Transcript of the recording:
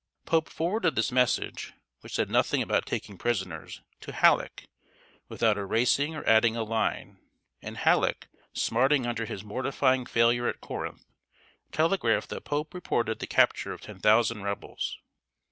Pope forwarded this message, which said nothing about taking prisoners, to Halleck, without erasing or adding a line; and Halleck, smarting under his mortifying failure at Corinth, telegraphed that Pope reported the capture of ten thousand Rebels.